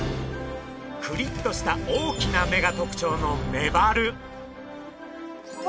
クリッとした大きな目が特徴のメバル。